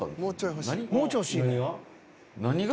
何が？